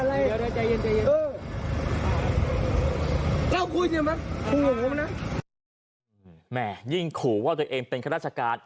เนี่ยยิ่งขุว่าตัวเองเป็นข้าราชการ